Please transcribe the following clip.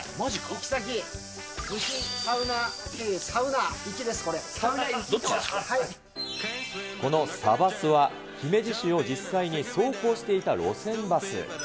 行き先、蒸、このサバスは、姫路市を実際に走行していた路線バス。